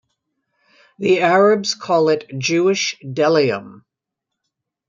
The Arabs call it Jewish bdellium.